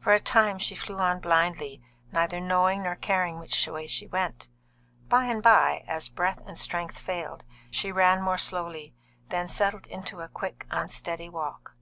For a time she flew on blindly, neither knowing nor caring which way she went. By and by, as breath and strength failed, she ran more slowly, then settled into a quick, unsteady walk.